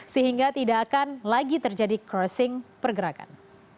sehingga tidak akan lagi terjadi crossing pergerakan